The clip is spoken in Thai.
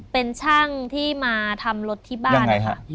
เป็นช่างที่มาทำรถที่บ้านนะคะ